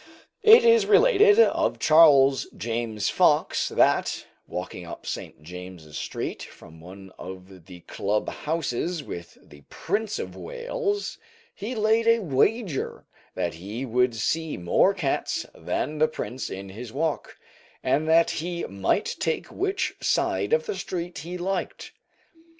It is related of Charles James Fox that, walking up St. James's Street from one of the club houses with the Prince of Wales, he laid a wager that he would see more cats than the Prince in his walk, and that he might take which side of the street he liked.